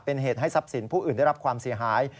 เป็นเหตุให้ทรัพย์สินผู้อื่นได้รับความเสียหาย